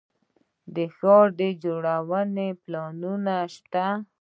د ښار جوړونې پلانونه شته